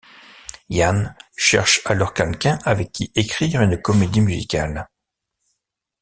Ian cherche alors quelqu'un avec qui écrire une comédie musicale.